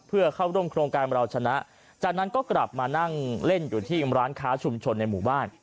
เพื่อเข้าร่วมโครงการเราชนะจากนั้นก็กลับมานั่งเล่นอยู่ที่ร้านค้าชุมชนในหมู่บ้าน